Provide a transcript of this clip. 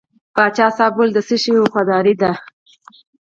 پاچا صاحب وویل د څه شي وفاداره دی.